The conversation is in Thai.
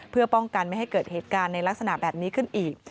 เพื่อป้องกันไม่ให้เกิดเหตุการณ์ในลักษณะแบบนี้ขึ้นอีก